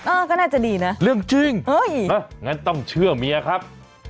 ก็น่าจะดีนะเรื่องจริงงั้นต้องเชื่อเมียครับ